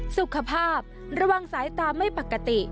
สุขภาพระวังสายตาไม่ปกติ